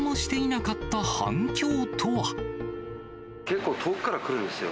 結構遠くから来るんですよ。